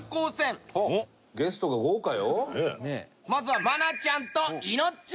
まずは愛菜ちゃんとイノッチ。